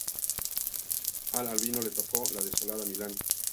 A Albino le tocó la "desolada Milán.